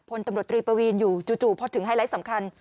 พลตำรวจตรีปวีนอยู่จู่พอถึงไฮไลท์สำคัญ